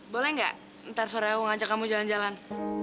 boleh nggak ntar sore aku ngajak kamu jalan jalan